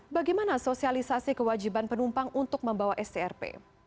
bagaimana sosialisasi kewajiban penumpang untuk membawa strp